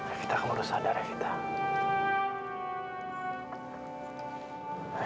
evita kamu harus sadar evita